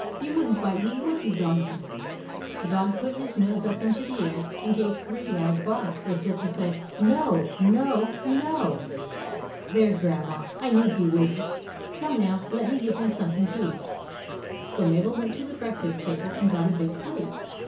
You would n't bite me, would you, doggie ?" The dog put his nose up into the air and gave three loud barks, as if to say —" No ! No ! No !"" There, Grandma ; I knew he would n't ! Come now, let me give him something to eat." So Mabel went to the breakfast table and got a big plate.